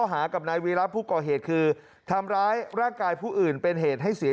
ใช่ครับแล้วก็ชุดชุดละมุนชุดละมุนครับแล้วก็ไปเจอมีด